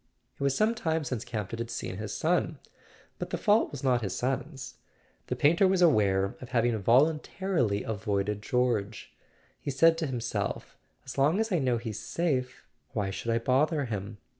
It was some time since Campton had seen his son; but the fault was not his son's. The painter was aware of having voluntarily avoided George. He said to him¬ self: "As long as I know he's safe why should I bother him?"